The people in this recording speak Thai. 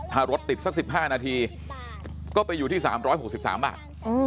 ถ้ารถติดสัก๑๕นาทีก็ไปอยู่ที่๓๖๓บาท